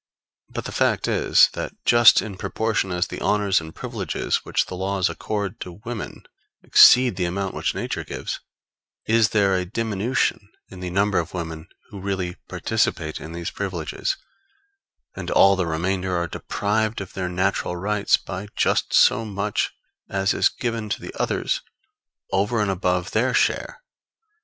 But the fact is, that just in proportion as the honors and privileges which the laws accord to women, exceed the amount which nature gives, is there a diminution in the number of women who really participate in these privileges; and all the remainder are deprived of their natural rights by just so much as is given to the others over and above their share.